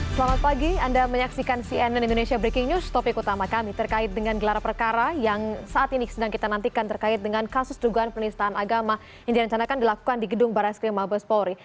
selamat pagi anda menyaksikan cnn indonesia breaking news topik utama kami terkait dengan gelar perkara yang saat ini sedang kita nantikan terkait dengan kasus dugaan penistaan agama yang direncanakan dilakukan di gedung barai skrim mabes polri